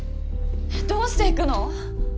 どうして行くの？